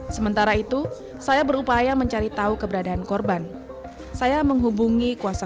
sementara itu saya berupaya mencari tahu keberadaan korban saya menghubungi kuasa